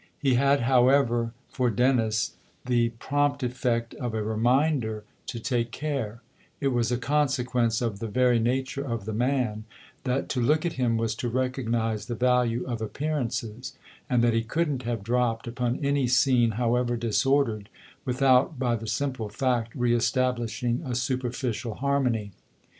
He had, however, for Dennis the prompt effect of a reminder to take care : it was a consequence of the very nature of the man that to look at him was to recognise the value of appearances and that he couldn't have dropped upon any scene, however disordered, without, by the simple fact, re establishing a superficial harmony.